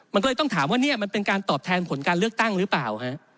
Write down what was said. มันก็เลยต้องถามว่านี่มันเป็นการตอบแทนผลการเลือกตั้งหรือเปล่า